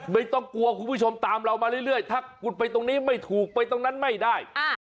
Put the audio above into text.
ไม่ต้องกลัวคุณผู้ชมตามเรามาเรื่อยถ้าคุณไปตรงนี้ไม่ถูกไปตรงนั้นไม่ได้